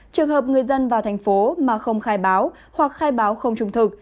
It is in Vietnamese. trường hợp người dân vào thành phố mà không khai báo hoặc khai báo không trung thực